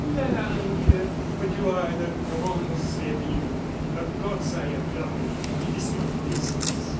"La, la, mon vieux, but you are the grand serieux. Of course I am lovely. It is my business.